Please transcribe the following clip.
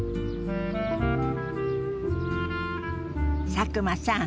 佐久間さん